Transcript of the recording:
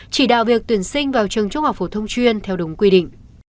chỉ đạo việc tuyển sinh vào trường trung học phổ thông chuyên theo đúng quy định